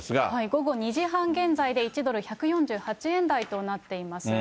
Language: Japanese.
午後２時半現在で１ドル１４８円台となってます。